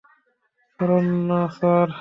Saranya, sir.